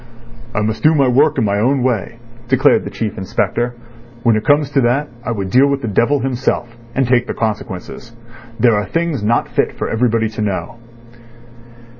"I must do my work in my own way," declared the Chief Inspector. "When it comes to that I would deal with the devil himself, and take the consequences. There are things not fit for everybody to know."